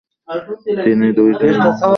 তিনি দুইজন পুত্র সন্তানের জন্ম দেন।